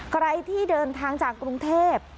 ใครที่เดินทางจากกรุงเทพ